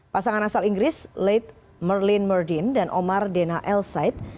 pasangan asal inggris late merlin merdin dan omar dena elsaib